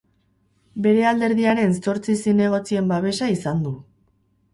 Bere alderdiaren zortzi zinegotzien babesa izan du.